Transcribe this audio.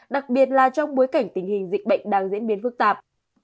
đặc biệt là trong bối cảnh tình hình dịch bệnh đang diễn biến phức tạp